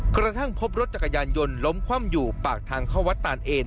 กระทั่งพบรถจักรยานยนต์ล้มคว่ำอยู่ปากทางเข้าวัดตานเอน